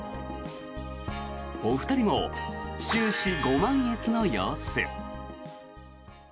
お二人も終始ご満悦の様子。